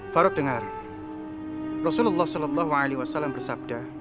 farouk dengar rasulullah saw bersabda